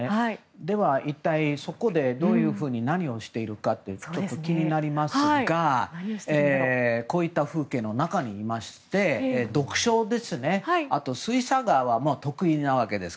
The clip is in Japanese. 一体そこでどういうふうに何をしているのかちょっと気になりますがこういった風景の中にいまして読書ですね、あとは水彩画が得意なわけです。